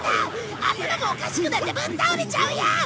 頭がおかしくなってぶっ倒れちゃうよ！